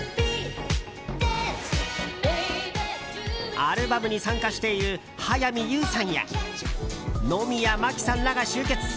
アルバムに参加している早見優さんや野宮真貴さんらが集結。